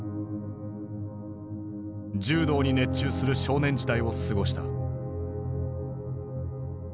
柔道に熱中する少年時代を過ごした。